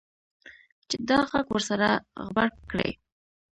چې دا غږ ورسره غبرګ کړي.